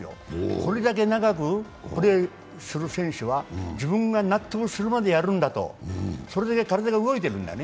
これだけ長くプレーする選手は自分が納得するまでやるんだと、それだけ体が動いてるんだね。